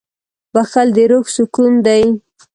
• بښل د روح سکون دی.